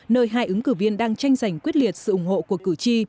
nơi hai ứng cử viên đang tranh giành quyết liệt sự ủng hộ của cử tri